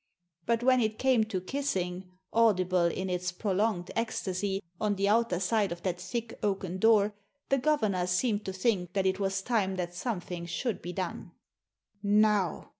But when it came to kissing, audible, in its prolonged ecstasy, on the outer side of that thick oaken door, the governor seemed to think that it was time that something should be done. " Now